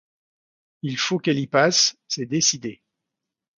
Il faut qu'elle y passe, c'est décidé.